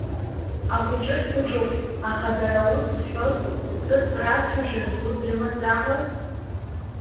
Ахәыҷы дхәыҷуп, аха дара ус зҳәоз тәытә разҳәашаз ду дрымаӡамыз?